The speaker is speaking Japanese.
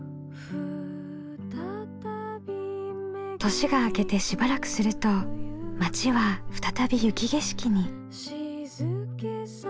年が明けてしばらくすると町は再び雪景色に。